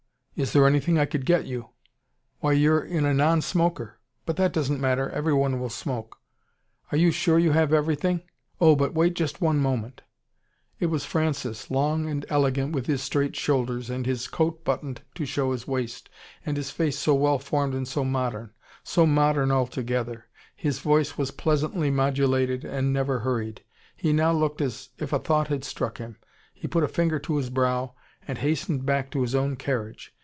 Is there anything I could get you? Why, you're in a non smoker! But that doesn't matter, everybody will smoke. Are you sure you have everything? Oh, but wait just one moment " It was Francis, long and elegant, with his straight shoulders and his coat buttoned to show his waist, and his face so well formed and so modern. So modern, altogether. His voice was pleasantly modulated, and never hurried. He now looked as if a thought had struck him. He put a finger to his brow, and hastened back to his own carriage.